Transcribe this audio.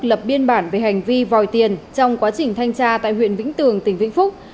lập biên bản về hành vi vòi tiền trong quá trình thanh tra tại huyện vĩnh tường tỉnh vĩnh phúc